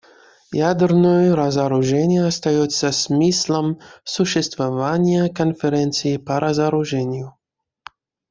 Ядерное разоружение остается смыслом существования Конференции по разоружению.